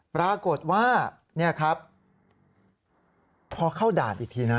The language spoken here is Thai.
ปรากฏว่าพอเข้าด่านอีกที